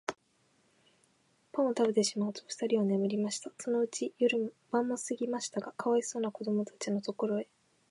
パンをたべてしまうと、ふたりは眠りました。そのうちに晩もすぎましたが、かわいそうなこどもたちのところへ、